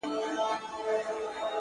• پکښي بندي یې سوې پښې او وزرونه ,